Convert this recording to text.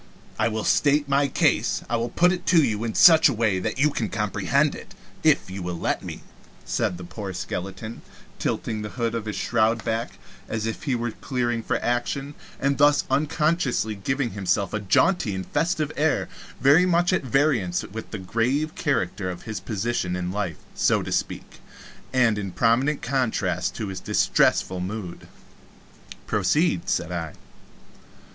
I will state my case I will put it to you in such a way that you can comprehend it, if you will let me," said the poor skeleton, tilting the hood of his shroud back, as if he were clearing for action, and thus unconsciously giving himself a jaunty and festive air very much at variance with the grave character of his position in life so to speak and in prominent contrast with his distressful mood. "Proceed," said I.